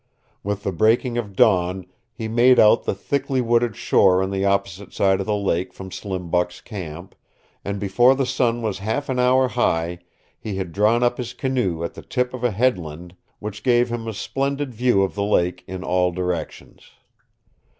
With the breaking of dawn he made out the thickly wooded shore on the opposite side of the lake from Slim Buck's camp, and before the sun was half an hour high he had drawn up his canoe at the tip of a headland which gave him a splendid view of the lake in all directions.